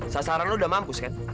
sasaran lo udah mampus kan